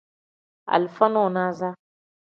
Alifa nonaza.